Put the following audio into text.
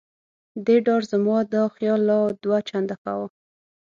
دې ډار زما دا خیال لا دوه چنده کاوه.